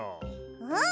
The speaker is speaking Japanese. うん！